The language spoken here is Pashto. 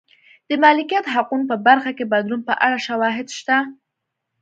د مالکیت حقونو په برخه کې بدلون په اړه شواهد شته.